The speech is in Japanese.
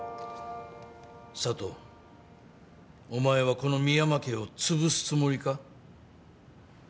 佐都お前はこの深山家をつぶすつもりか？